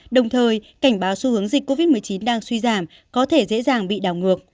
đồng thời cảnh báo xu hướng dịch covid một mươi chín đang suy giảm có thể dễ dàng bị đảo ngược